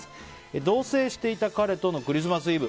同棲していた彼とのクリスマスイブ。